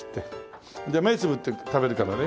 じゃあ目つぶって食べるからね。